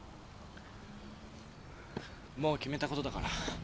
もう決めたことだから。